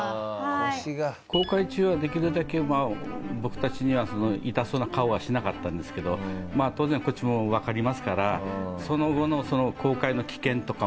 航海中はできるだけ僕たちには痛そうな顔はしなかったんですけど当然こっちもわかりますから。